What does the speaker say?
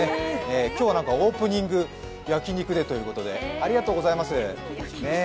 今日はオープニング、焼き肉でということでありがとうございます。